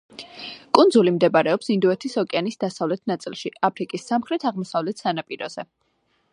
კუნძული მდებარეობს ინდოეთის ოკეანის დასავლეთ ნაწილში, აფრიკის სამხრეთ-აღმოსავლეთ სანაპიროზე.